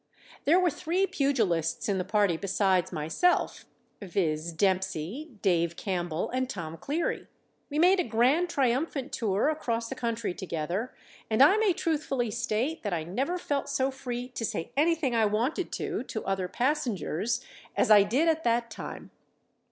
There were three pugilists in the party besides myself, viz. Dempsey, Dave Campbell and Tom Cleary. We made a grand, triumphant tour across the country together, and I may truthfully state that I never felt so free to say anything I wanted to to other passengers as I did at that time.